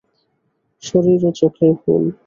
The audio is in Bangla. শশীর ও চোখের ভুল।